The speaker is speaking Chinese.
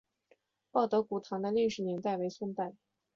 报德古堂的历史年代为宋代。